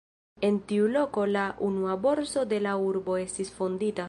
En tiu loko la unua borso de la urbo estis fondita.